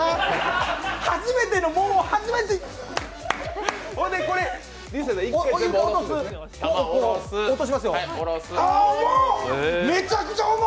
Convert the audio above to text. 初めてのもん、初めて重！